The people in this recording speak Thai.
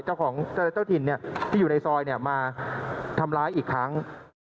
เจ้าของเจ้าถิ่นที่อยู่ในซอยมาทำร้ายอีกครั้ง